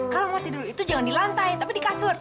kalau mau tidur itu jangan di lantai tapi di kasur